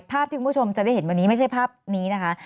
ภาพที่คุณผู้ชมจะได้เห็นวันนี้ไม่ใช่ภาพนี้นะคะ